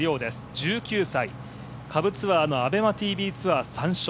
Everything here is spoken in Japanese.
１９歳、下部ツアーのＡｂｅｍａＴＶツアー３勝。